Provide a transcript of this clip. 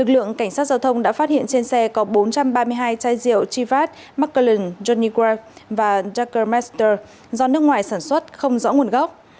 lượng cảnh sát giao thông đã phát hiện trên xe có bốn trăm ba mươi hai chai rượu chivat macallan johnny graf và jagermeister do nước ngoài sản xuất không rõ nguồn gốc